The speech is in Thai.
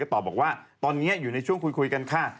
ตอบบอกว่าตอนนี้อยู่ในช่วงคุยกันค่ะ